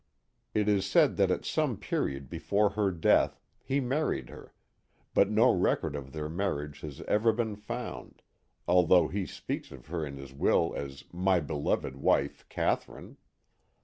It is said that at some period before her death he married her, but no record of their marriage has ever been found, although he speaks of her in his will as my beloved wife Catherine.